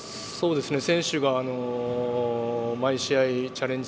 選手が毎試合、チャレンジ